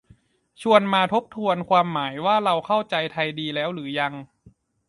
ชวนมาทบทวนความหมายว่าเราเข้าใจไทยดีแล้วหรือยัง